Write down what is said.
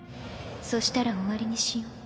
そしたら終わりにしよう。